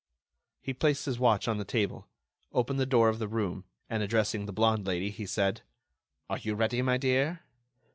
He placed his watch on the table, opened the door of the room and addressing the blonde lady he said: "Are you ready my dear?"